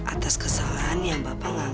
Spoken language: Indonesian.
atas kesalahan yang bapak gak ngelakuin